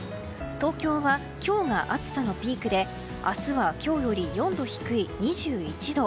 東京は、今日が暑さのピークで明日は今日より４度低い２１度。